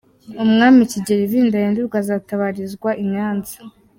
Umwami Kigeli V Ndahindurwa azatabarizwa i Nyanza.